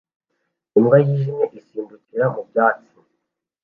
imbwa yijimye isimbukira mu byatsi